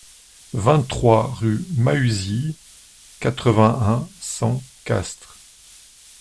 vingt-trois rue Mahuzies, quatre-vingt-un, cent, Castres